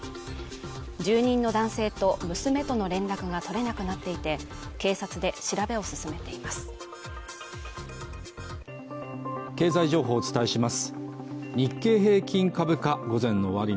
住人の男性と娘との連絡が取れなくなっていて警察で調べを進めています